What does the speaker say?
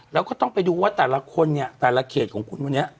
แล้วก็ต้องไปดูว่าแต่ละคนเนี่ยแต่ละเขตของคุณวันนี้